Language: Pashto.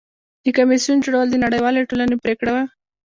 د کمیسیون جوړول د نړیوالې ټولنې پریکړه وه.